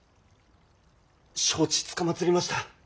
承知つかまつりました。